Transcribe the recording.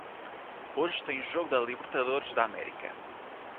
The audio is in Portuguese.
Hoje tem jogo da Libertadores da América.